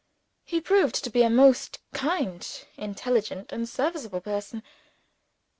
_ He proved to be a most kind, intelligent, and serviceable person.